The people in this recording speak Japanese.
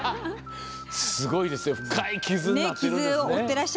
すごいですよ、深い傷が。